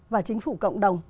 và chính phủ cộng đồng